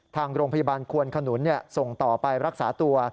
ทางโรงพยาบาลควนขนุนส่งต่อไปรักษาตัว